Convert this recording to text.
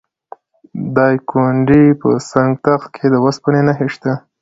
د دایکنډي په سنګ تخت کې د وسپنې نښې شته.